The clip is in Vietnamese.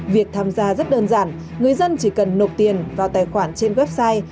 việc tham gia rất đơn giản người dân chỉ cần nộp tiền vào tài khoản trên website